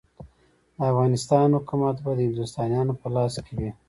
د افغانستان حکومت به د هندوستانیانو په لاس کې وي.